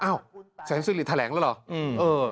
แสนสิริแถลงแล้วเหรอ